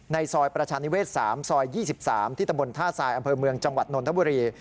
ซอยประชานิเวศ๓ซอย๒๓ที่ตำบลท่าทรายอำเภอเมืองจังหวัดนนทบุรี